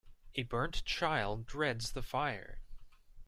A burnt child dreads the fire.